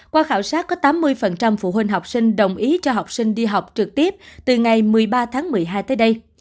qua khảo sát có tám mươi phụ huynh học sinh đồng ý cho học sinh đi học trực tiếp từ ngày một mươi ba tháng một mươi hai tới đây